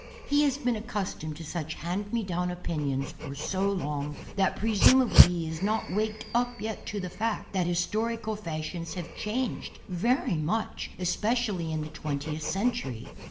He has been accustomed to such hand me down" opinions for so long that presumably he has not waked up as yet to the fact that historical fashions have changed very much, esj)ecially in the twentieth century.